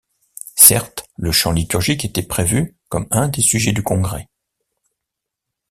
Certes, le chant liturgique était prévu comme un des sujets du congrès.